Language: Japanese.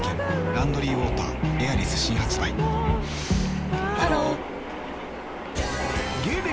「ランドリーウォーターエアリス」新発売ハロー芸歴